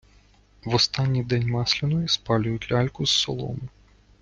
В останній день Масляної спалюють ляльку з соломи.